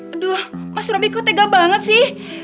aduh mas robi kau tega banget sih